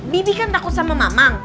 bibi kan takut sama mamang